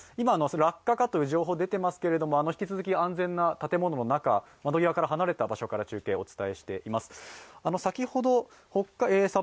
落下かという情報がありましたけれども引き続き安全な建物の中、窓際から離れた場所からお伝えしていきます。